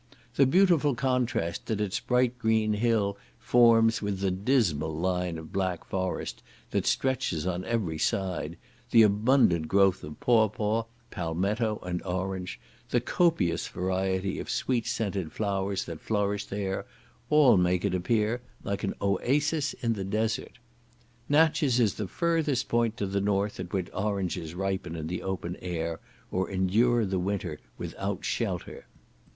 The beautiful contrast that its bright green hill forms with the dismal line of black forest that stretches on every side, the abundant growth of pawpaw, palmetto and orange, the copious variety of sweet scented flowers that flourish there, all make it appear like an oasis in the desert. Natches is the furthest point to the north at which oranges ripen in the open air, or endure the winter without shelter.